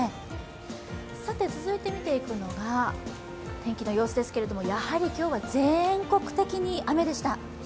続いて見ていくのが天気の様子ですけれどもやはり今日は全国的に雨でした。